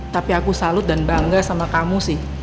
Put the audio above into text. tapi aku salut dan bangga sama kamu sih